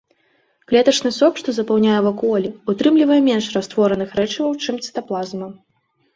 Клетачны сок, што запаўняе вакуолі, утрымлівае менш раствораных рэчываў, чым цытаплазма.